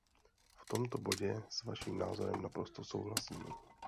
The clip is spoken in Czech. V tomto bodě s vaším názorem naprosto souhlasím.